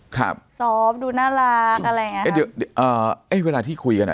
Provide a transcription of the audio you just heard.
ครับดูน่ารักอะไรอย่างเงี้ยเอ่อเอ๊ะเวลาที่คุยกันอ่ะ